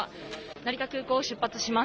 成田空港を出発します。